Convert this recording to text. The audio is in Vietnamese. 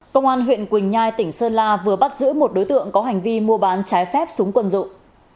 công an huyện quỳnh nhai tỉnh sơn la vừa bắt giữ một đối tượng có hành vi mua bán trái phép súng quân dụng